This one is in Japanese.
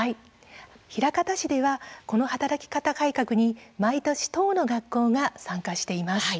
枚方市ではこの働き方改革に毎年１０の学校が参加しています。